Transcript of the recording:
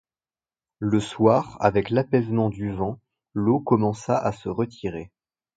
Le soir, avec l’apaisement du vent, l’eau commença à se retirer.